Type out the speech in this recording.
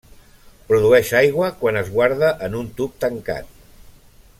Produeix aigua quan es guarda en un tub tancat.